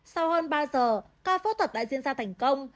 sau hơn ba giờ ca phẫu thuật đã diễn ra thành công